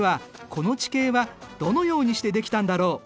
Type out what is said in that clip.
この地形はどのようにしてできたんだろう？